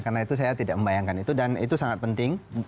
karena itu saya tidak membayangkan itu dan itu sangat penting